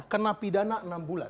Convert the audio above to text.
kena pidana enam bulan